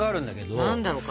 何だろうか。